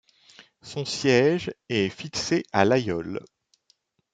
Son siège est fixé à Laguiole.